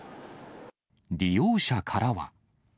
利用者からは。